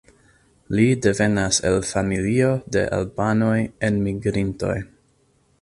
Li devenas el familio de albanoj enmigrintoj.